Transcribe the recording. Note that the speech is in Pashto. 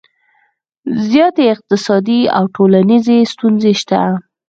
زیاتې اقتصادي او ټولنیزې ستونزې شته